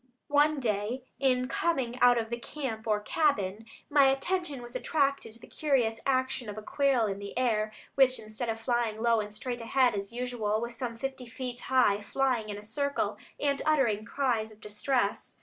One day in coming out of the camp or cabin, my attention was attracted to the curious action of a quail in the air, which, instead of flying low and straight ahead as usual, was some fifty feet high, flying in a circle, and uttering cries of distress.